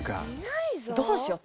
「どうしよう。